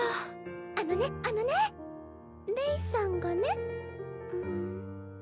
あのねあのねレイさんがね。